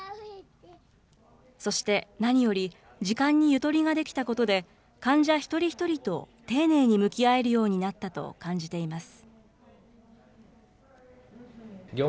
そして、何より、時間にゆとりができたことで患者一人一人と丁寧に向き合えるようになったと感じています。